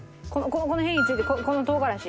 このへりに付いてるこの唐辛子。